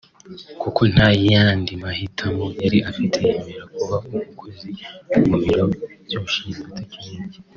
kuko ntayandi mahitamo yari afite yemera kuba umukozi mu biro by'ushinzwe tekinike